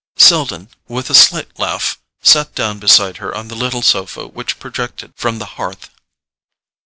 Selden, with a slight laugh, sat down beside her on the little sofa which projected from the hearth.